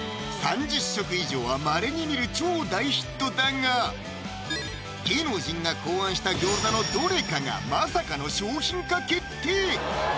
３０食以上はまれに見る超大ヒットだが芸能人が考案した餃子のどれかがまさかの商品化決定！